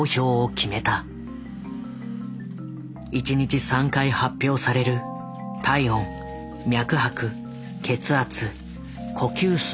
１日３回発表される体温脈拍血圧呼吸数の数値。